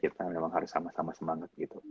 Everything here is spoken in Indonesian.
kita memang harus sama sama semangat gitu